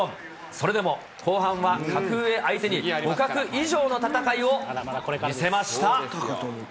それでも後半は格上相手に互角以上の戦いを見せました。